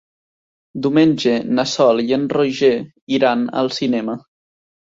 Diumenge na Sol i en Roger iran al cinema.